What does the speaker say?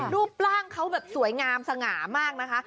รูปร่างเขาแบบสวยงามสง่ามากนะคะ